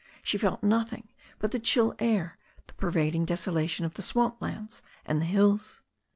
She felt nothing but the chill air, the pervading desolation of the swamp lands and the hills.